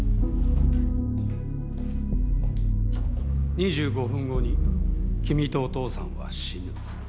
２５分後に君とお父さんは死ぬ。